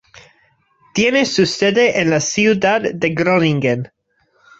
Tiene su sede en la ciudad de Groningen.